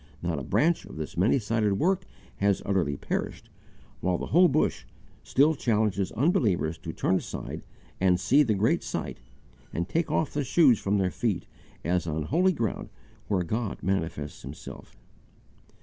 Not a branch of this many sided work has utterly perished, while the whole bush still challenges unbelievers to turn aside and see the great sight, and take off the shoes from their feet as on holy ground where God manifests Himself.